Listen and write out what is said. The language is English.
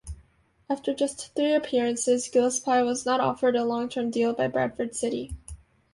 After just three appearances Gillespie was not offered a long-term deal by Bradford City.